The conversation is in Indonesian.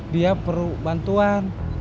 dia perlu bantuan